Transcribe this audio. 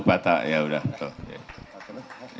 batak ya udah